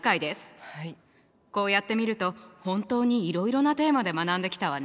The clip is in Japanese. こうやってみると本当にいろいろなテーマで学んできたわね。